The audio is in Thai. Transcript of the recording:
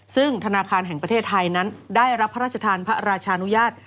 ซึ่งธนาคารแห่งประเทศไทยนั้นได้รับพระราชทานพระราชานุญาต